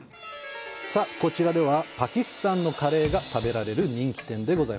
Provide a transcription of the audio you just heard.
こちらでは、パキスタンのカレーが食べられる人気店。